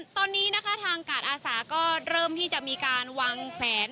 ตอนนี้นะคะทางกาดอาสาก็เริ่มที่จะมีการวางแผน